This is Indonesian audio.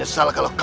oh di dalam